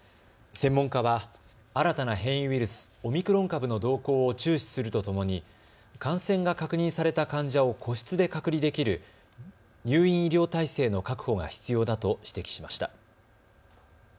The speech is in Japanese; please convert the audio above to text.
専門家は新たな変異ウイルス、オミクロン株の動向を注視するとともに感染が確認された患者を個室で隔離できる入院医療体制の確保が必要だと指摘しました。